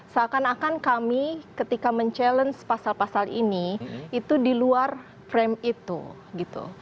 seakan akan kami ketika mencabar pasal pasal ini itu di luar frame itu gitu